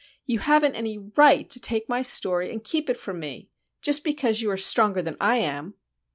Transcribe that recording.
"You haven't any right to take my story and keep it from me, just because you are stronger than I am!"